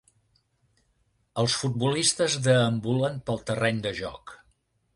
Els futbolistes deambulen pel terreny de joc